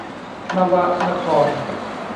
นวนคร